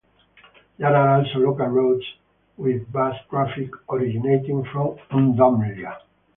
There are also local roads, with bus traffic originating from Udomlya.